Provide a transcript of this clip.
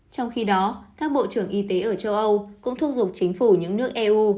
trong khi đó các bộ trưởng y tế ở châu âu cũng thúc giục chính phủ những nước eu